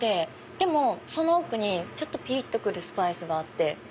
でもその奥にちょっとピリっと来るスパイスがあって。